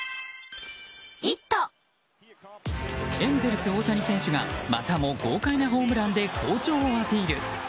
エンゼルス、大谷選手がまたも豪快なホームランで好調をアピール。